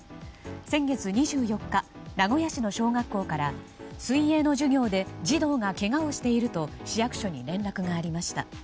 先月２４日名古屋市の小学校から水泳の授業で児童がけがをしていると市役所に連絡がありました。